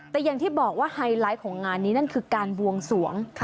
แต่อย่างที่บอกว่าไฮไลท์ของงานนี้นั่นคือการบวงสวง